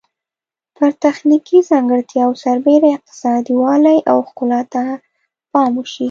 پر تخنیکي ځانګړتیاوو سربیره اقتصادي والی او ښکلا ته پام وشي.